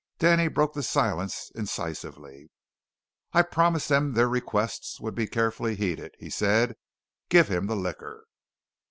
Danny broke the silence incisively. "I promised them their requests would be carefully heeded," he said. "Give him the liquor."